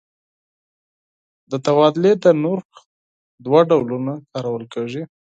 د تبادلې د نرخ دوه ډولونه کارول کېږي.